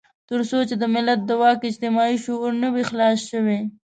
تر څو چې د ملت د واک اجتماعي شعور نه وي خلاص شوی.